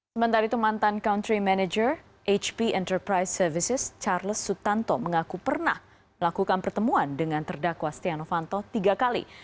sementara itu mantan country manager hp enterprise services charles sutanto mengaku pernah melakukan pertemuan dengan terdakwa stiano fanto tiga kali